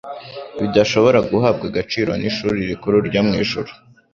bidashobora guhabwa agaciro n'ishuri rikuru ryo mu ijuru,